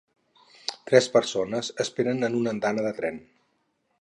Tres persones esperen en una andana de tren.